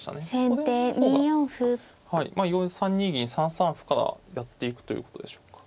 これの方がはい３二銀３三歩からやっていくということでしょうか。